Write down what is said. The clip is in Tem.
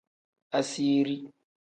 Asiiri.